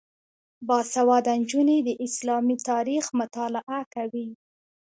باسواده نجونې د اسلامي تاریخ مطالعه کوي.